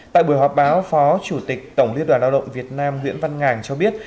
tại buổi họp báo phó chủ tịch tổng liên đoàn lao động việt nam nguyễn văn ngàn cho biết